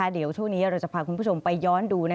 เดี๋ยวช่วงนี้เราจะพาคุณผู้ชมไปย้อนดู